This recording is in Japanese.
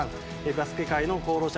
バスケ界の功労者